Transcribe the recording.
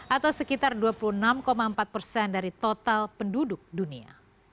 atau sekitar dua puluh enam empat persen dari total penduduk dunia